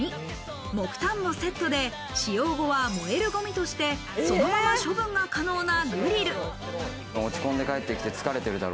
木炭もセットで、使用後は燃えるゴミとしてそのまま処分が可能なグリル。